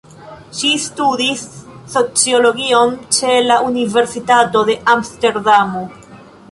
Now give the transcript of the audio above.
Ŝi studis sociologion ĉe la Universitato de Amsterdamo.